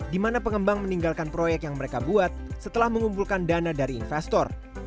di mana pengembang meninggalkan proyek yang mereka buat setelah mengumpulkan dana dari investor